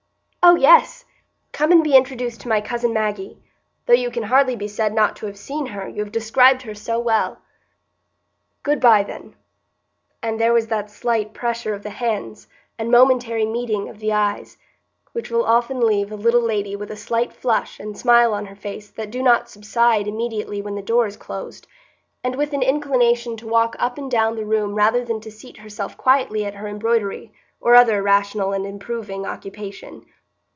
"Oh yes! Come and be introduced to my cousin Maggie; though you can hardly be said not to have seen her, you have described her so well." "Good bye, then." And there was that slight pressure of the hands, and momentary meeting of the eyes, which will often leave a little lady with a slight flush and smile on her face that do not subside immediately when the door is closed, and with an inclination to walk up and down the room rather than to seat herself quietly at her embroidery, or other rational and improving occupation.